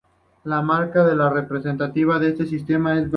La marca más representativa de este sistema es Braun.